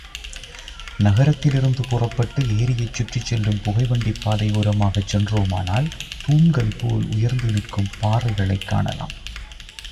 நகரத்திலிருந்து புறப்பட்டு, ஏரியைச் சுற்றிச் செல்லும் புகைவண்டிப் பாதையோரமாகச் சென்றோமானால், தூண்கள் போல் உயர்ந்து நிற்கும் பாறைகளைக் காணலாம்.